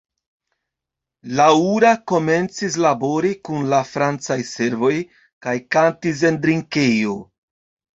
Laura komencis labori kun la francaj servoj kaj kantis en drinkejo.